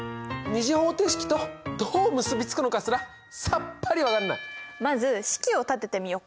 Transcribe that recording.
２次方程式とどう結び付くのかすらさっぱり分かんない。